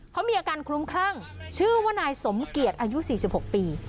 เขามีอาการคลุ้มคลั่งชื่อว่านายสมเกียจอายุ๔๖ปี